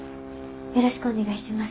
よろしくお願いします。